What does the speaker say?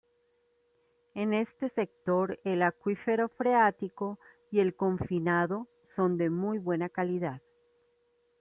En este sector, el acuífero freático y el confinado son de muy buena calidad.